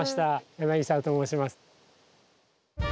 柳沢と申します。